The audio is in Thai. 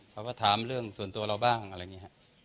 เขาก็ถามเรื่องส่วนตัวเราบ้างอะไรอย่างนี้ครับ